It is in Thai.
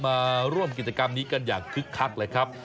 มาร่วมกิจกรรมนี้กันอย่างคึกคักเลยครับ